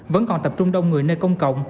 vẫn còn tập trung đông người nơi công cộng